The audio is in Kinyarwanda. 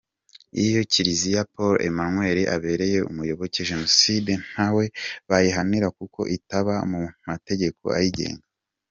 Iyo Kiliziya Paul Emmanuel abereye umuyoboke, jenoside ntawe bayihanira kuko itaba mu mategeko ayigenga.